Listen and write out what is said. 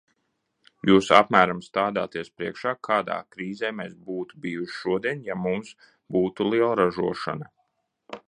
Jūs apmēram stādāties priekšā, kādā krīzē mēs būtu bijuši šodien, ja mums būtu lielražošana?